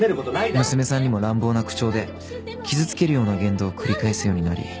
娘さんにも乱暴な口調で傷つけるような言動を繰り返すようになり。